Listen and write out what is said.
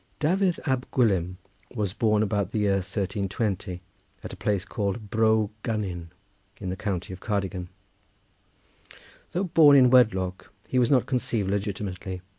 Dafydd Ab Gwilym was born about the year 1320 at a place called Bro Gynnin in the county of Cardigan. Though born in wedlock he was not conceived legitimately.